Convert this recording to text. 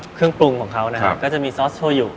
เครื่องปรุงของเขานะครับก็จะมีซอสโชยุ